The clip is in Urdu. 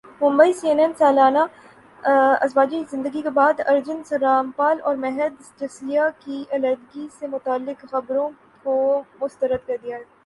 ممبئی سی این این سالہ ازدواجی زندگی کے بعد ارجن رامپال اور مہر جسیہ نے علیحدگی سے متعلق خبروں کع مسترد کردیا ہے